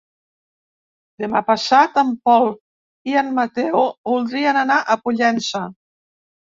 Demà passat en Pol i en Mateu voldrien anar a Pollença.